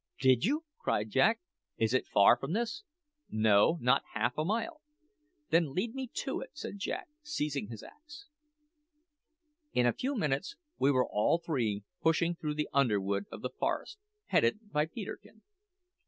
"Did you?" cried Jack. "Is it far from this?" "No, not half a mile." "Then lead me to it," said Jack, seizing his axe. In a few minutes we were all three pushing through the underwood of the forest, headed by Peterkin.